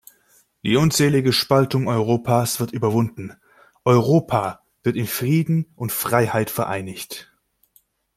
Die unselige Spaltung Europas wird überwunden, Europa wird in Frieden und Freiheit vereinigt.